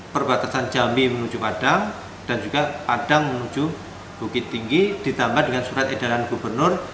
perbatasan jambi menuju padang dan juga padang menuju bukit tinggi ditambah dengan surat edaran gubernur